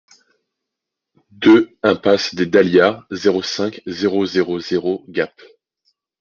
deux impasse des Dahlias, zéro cinq, zéro zéro zéro Gap